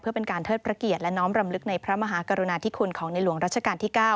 เพื่อเป็นการเทิดพระเกียรติและน้อมรำลึกในพระมหากรุณาธิคุณของในหลวงรัชกาลที่๙